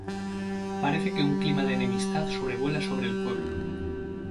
Parece que un clima de enemistad sobrevuela sobre el pueblo.